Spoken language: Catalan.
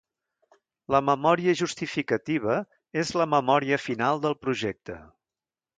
La memòria justificativa és la memòria final del projecte.